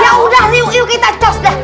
yaudah yuk yuk kita cos dah